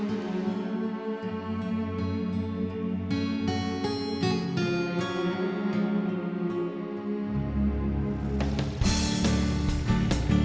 nggak ada uang nggak ada uang